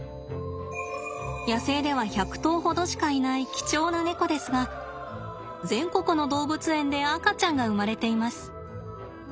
野生では１００頭ほどしかいない貴重なネコですが全国の動物園で赤ちゃんが生まれています。